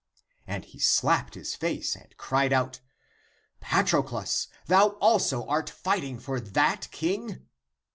And he slapped his face, and cried out, " Pa troclus, thou also art fighting for that king?